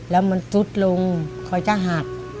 แล้วมันซุดลงคอยจะหัก